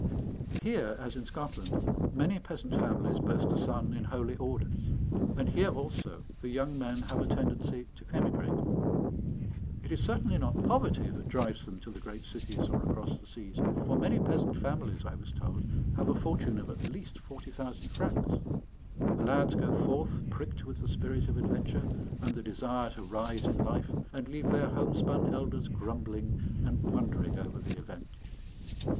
Here, as in Scotland, many peasant families boast a son in holy orders. And here also, the young men have a tendency to emigrate. It is certainly not poverty that drives them to the great cities or across the seas, for many peasant families, I was told, have a fortune of at least 40,000 francs. The lads go forth pricked with the spirit of adventure and the desire to rise in life, and leave their homespun elders grumbling and wondering over the event.